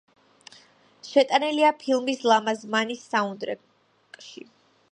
შეტანილია ფილმის „ლამაზმანი“ საუნდტრეკში.